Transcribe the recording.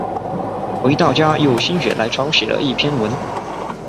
回到家又心血来潮写了一篇文